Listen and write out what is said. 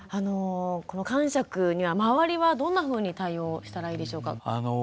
このかんしゃくには周りはどんなふうに対応したらいいでしょうか。